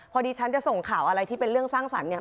พอดีฉันจะส่งข่าวอะไรที่เป็นเรื่องสร้างสรรค์เนี่ย